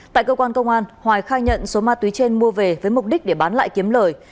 tại cơ quan công an hoài khai nhận số ma túy trên mua về với mục đích để bán lại kiếm lời